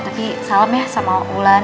tapi salam ya sama bulan